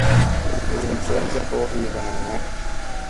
Iirim coriɗa ni ko ii ɓagana na.